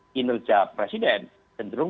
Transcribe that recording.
kinerja presiden tenderung